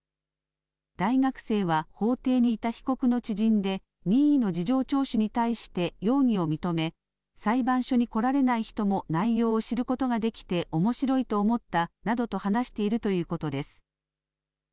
大学生は法廷にいた被告の知人で任意の事情聴取に対して容疑を認め裁判所に来られない人も内容を知ることができておもしろいと思ったなどと話しているということです。